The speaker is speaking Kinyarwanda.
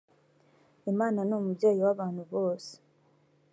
imana numubyeyi wabantu bose.